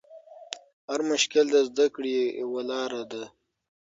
هر مشکل د زده کړي یوه لاره ده.